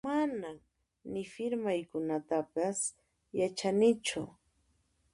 Manan ni firmaykuytapas yachanichu